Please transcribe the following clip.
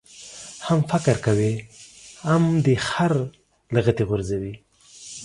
هم فقر کوې ، هم دي خر لغتي غورځوي.